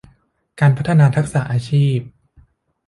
การพัฒนาทักษะอาชีพ